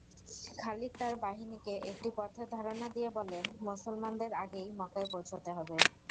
খালিদ তার বাহিনীকে একটি পথের ধারণা দিয়ে বলেন, মুসলমানদের আগেই মক্কায় পৌঁছতে হবে।